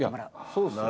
そうですよね。